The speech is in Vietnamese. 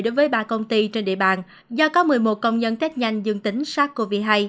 đối với ba công ty trên địa bàn do có một mươi một công nhân tết nhanh dương tính sars cov hai